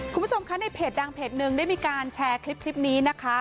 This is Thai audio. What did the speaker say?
คุณผู้ชมคะในเพจดังเพจหนึ่งได้มีการแชร์คลิปนี้นะคะ